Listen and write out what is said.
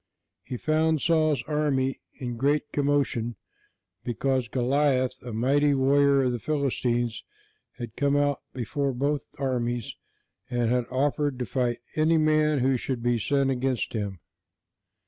He found Saul's army in great commotion, because Goliath, a mighty warrior of the Philistines, had come out before both armies and had offered to fight any man who should be sent against him.